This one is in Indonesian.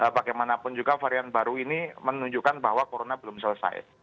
bagaimanapun juga varian baru ini menunjukkan bahwa corona belum selesai